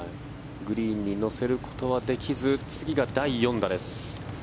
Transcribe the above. グリーンに乗せることはできず次が第４打です。